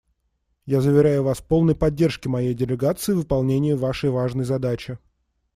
Я заверяю Вас в полной поддержке моей делегации в выполнении Вашей важной задачи.